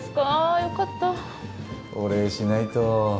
あよかったお礼しないといえ